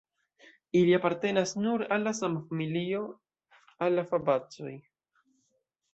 Ili apartenas nur al la sama familio, al la fabacoj.